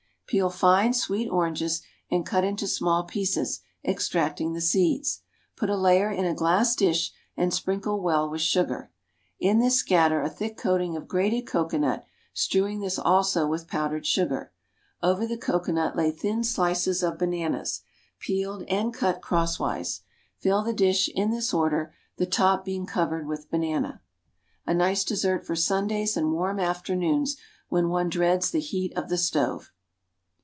Peel fine, sweet oranges, and cut into small pieces, extracting the seeds. Put a layer in a glass dish and sprinkle well with sugar. In this scatter a thick coating of grated cocoanut, strewing this also with powdered sugar. Over the cocoanut lay thin slices of bananas, peeled and cut crosswise. Fill the dish in this order, the top being covered with banana. A nice dessert for Sundays and warm afternoons when one dreads the heat of the stove.